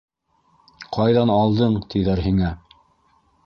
- Ҡайҙан алдың тиҙәр һиңә?